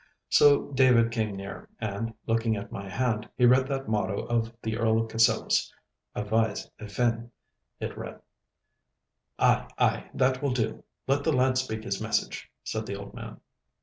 So David came near, and, looking at my hand, he read that motto of the Earl of Cassillis—'Avise a fin!' it read. 'Ay, ay, that will do. Let the lad speak his message,' said the old man.